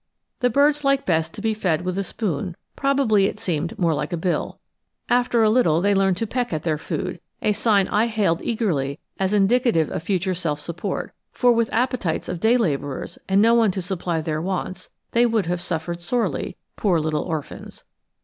The birds liked best to be fed with a spoon; probably it seemed more like a bill. After a little, they learned to peck at their food, a sign I hailed eagerly as indicative of future self support; for with appetites of day laborers and no one to supply their wants, they would have suffered sorely, poor little orphans!